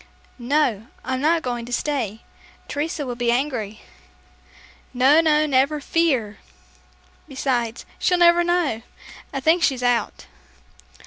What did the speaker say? "No, I'm not going to stay. Teresa will be angry." "No, no, never fear. Besides, she'll never know. I think she's out."